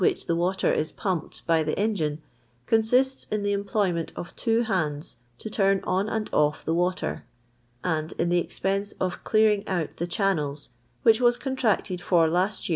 i the water is pumped by the engine, consists in the employment of two hands to turn on and u? the water, and in the expense of clearing out tb* channels, which was contracted for List ve.